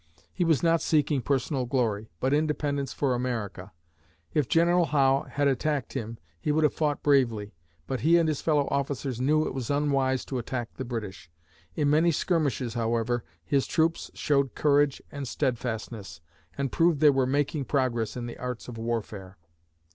He was not seeking personal glory, but independence for America. If General Howe had attacked him, he would have fought bravely, but he and his fellow officers knew it was unwise to attack the British. In many skirmishes, however, his troops showed courage and steadfastness, and proved they were making progress in the arts of warfare.